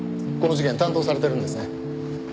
この事件担当されてるんですね。